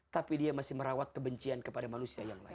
tapi dia masih merawat kebencian kepada manusia yang lain